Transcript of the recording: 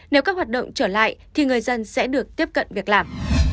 nếu các hoạt động trở lại thì người dân sẽ được tiếp cận việc làm